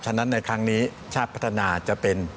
ฉะนั้นในครั้งนี้ชาติพัฒนาจะเป็น